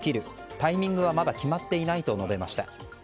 タイミングはまだ決まっていないと述べました。